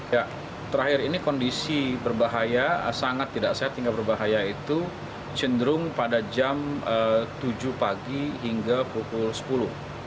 ya terakhir ini kondisi berbahaya sangat tidak sehat hingga berbahaya itu cenderung pada jam tujuh pagi hingga pukul sepuluh